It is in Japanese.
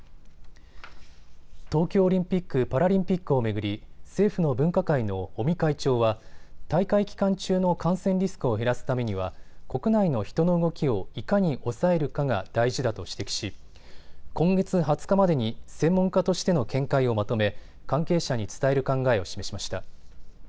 東京オリンピック・パラリンピックを巡り政府の分科会の尾身会長は大会期間中の感染リスクを減らすためには国内の人の動きをいかに抑えるかが大事だと指摘し、今月２０日までに専門家としての見解をまとめ関係者に伝える考えを示しました。